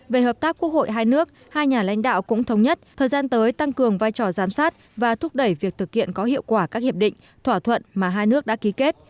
về hợp tác quốc hội hai nước hai nhà lãnh đạo cũng thống nhất thời gian tới tăng cường vai trò giám sát và thúc đẩy việc thực hiện có hiệu quả các hiệp định thỏa thuận mà hai nước đã ký kết